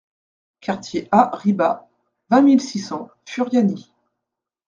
Quartier A Riba, vingt mille six cents Furiani